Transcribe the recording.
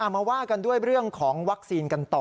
มาว่ากันด้วยเรื่องของวัคซีนกันต่อ